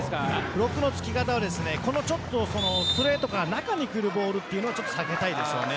ブロックのつき方はストレートから中にくるボールは避けたいですよね。